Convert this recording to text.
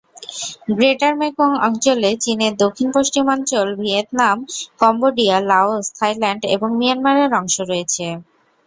Greater Mekong অঞ্চলে চীনের দক্ষিণ-পশ্চিমাঞ্চল, ভিয়েতনাম, কম্বোডিয়া, লাওস, থাইল্যান্ড এবং মিয়ানমারের অংশ রয়েছে।